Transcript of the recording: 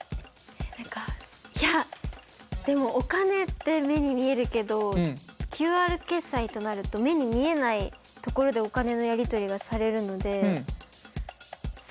何かいやでもお金って目に見えるけどＱＲ決済となると目に見えないところでお金のやり取りがされるので「〇」？